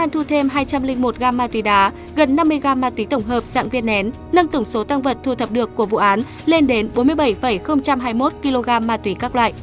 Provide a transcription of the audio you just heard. nâng tổng số tăng vật thu thập được của vụ án lên đến bốn mươi bảy hai mươi một kg ma túy các loại